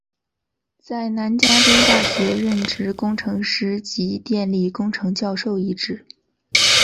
在南加州大学任职工程师及电力工程教授一职。